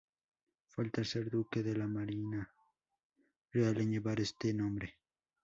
Fue el tercer buque de la marina real en llevar este nombre.